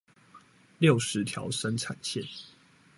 六十條生產線